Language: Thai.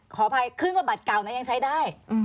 ขออภัยขึ้นกว่าบัตรเก่านะยังใช้ได้